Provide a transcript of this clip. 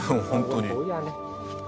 本当に。